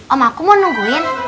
om aku mau nungguin